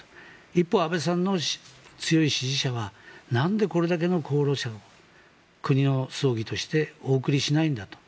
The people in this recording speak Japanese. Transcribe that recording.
一方、安倍さんの強い支持者はなんでこれだけの功労者を国の葬儀としてお送りしないんだと。